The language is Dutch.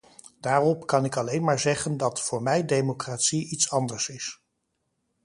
Daarop kan ik alleen maar zeggen dat voor mij democratie iets anders is.